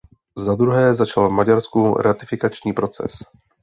Za druhé začal v Maďarsku ratifikační proces.